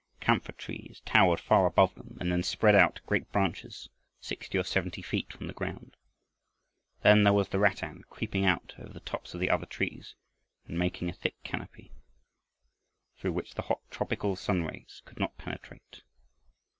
Camphor trees towered far above them and then spread out great branches sixty or seventy feet from the ground. Then there was the rattan creeping out over the tops of the other trees and making a thick canopy through which the hot tropical sun rays could not penetrate.